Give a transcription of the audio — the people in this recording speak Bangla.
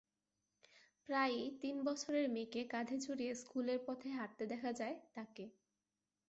প্রায়ই তিন বছরের মেয়েকে কাঁধে চড়িয়ে স্কুলের পথে হাঁটতে দেখা যায় তাঁকে।